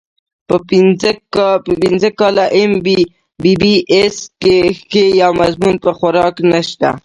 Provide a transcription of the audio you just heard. پۀ پنځه کاله اېم بي بي اېس کښې يو مضمون پۀ خوراک نشته